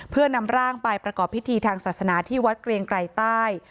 เพื่อนำร่างไปประกอบพิธีทางศาสนาที่วัดเกรียงไกรใต้